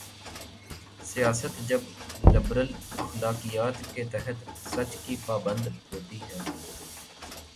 سیاست جب لبرل اخلاقیات کے تحت سچ کی پابند ہوتی ہے۔